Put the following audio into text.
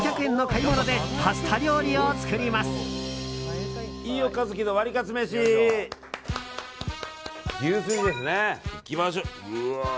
いきましょう。